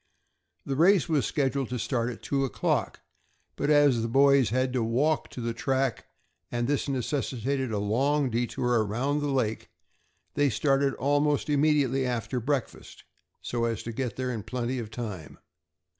The race was scheduled to start at two o'clock, but as the boys had to walk to the track, and this necessitated a long detour around the lake, they started almost immediately after breakfast, so as to get there in plenty of time.